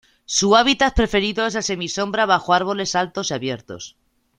Su hábitat preferido es en semisombra bajo árboles altos y abiertos.